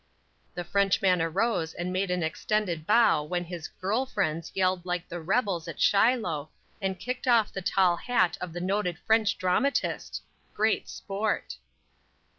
The Frenchman arose and made an extended bow when his "girl" friends yelled like the "rebels" at Shiloh and kicked off the tall hat of the noted French dramatist! Great sport!